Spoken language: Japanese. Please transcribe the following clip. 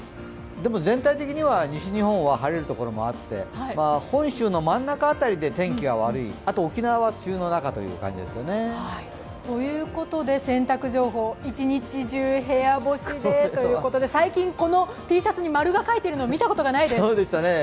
でも全体的には西日本は晴れるところもあって本州の真ん中あたりで天気が悪い、あと沖縄は梅雨の中ということですね。ということで洗濯情報、一日中部屋干しでということで、最近、このＴシャツに○が書いてあるのを見たことがないです。